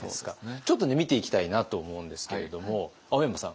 ちょっとね見ていきたいなと思うんですけれども青山さん